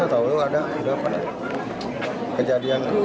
tidak tahu ada kejadian